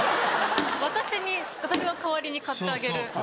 私に私が代わりに買ってあげる。